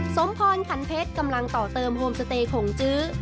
สมพรขันเพชรกำลังต่อเติมโฮมสเตย์ของจื้อ